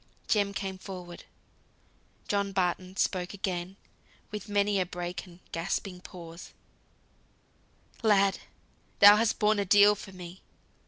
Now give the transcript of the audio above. Jem came forward. John Barton spoke again, with many a break and gasping pause, "Lad! thou hast borne a deal for me.